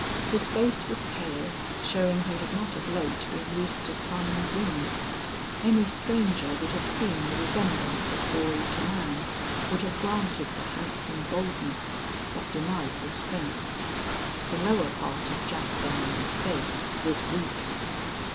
His face was pale, showing he had not of late been used to sun and wind. Any stranger would have seen the resemblance of boy to man would have granted the handsome boldness, but denied the strength. The lower part of Jack Belllounds's face was weak.